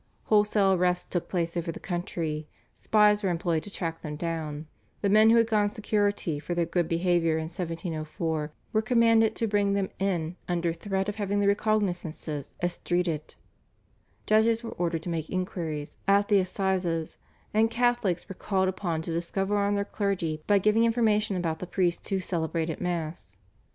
Wholesale arrests took place over the country; spies were employed to track them down; the men who had gone security for their good behaviour in 1704 were commanded to bring them in under threat of having the recognisances estreated; judges were ordered to make inquiries at the assizes; and Catholics were called upon to discover on their clergy by giving information about the priests who celebrated Mass.